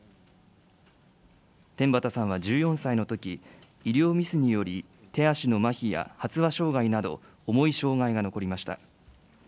天畠さんは１４歳のとき、医療ミスにより手足のまひや発話障害など重い障害が残りました。